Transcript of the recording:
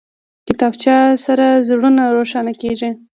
کتابچه سره زړونه روښانه کېږي